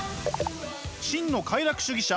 真の快楽主義者